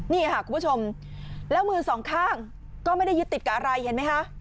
นี่ค่ะคุณผู้ชมแล้วมือสองข้างก็ไม่ได้ยึดติดกับอะไรเห็นไหมคะ